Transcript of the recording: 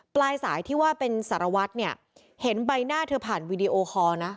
ปลายสายที่ว่าเป็นสารวัตรเนี่ยเห็นใบหน้าเธอผ่านวีดีโอคอร์นะ